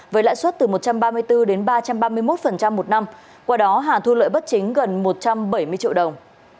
với lãi suất từ một trăm ba mươi bốn đến ba trăm ba mươi một một năm qua đó hà thu lợi bất chính gần một trăm bảy mươi triệu đồng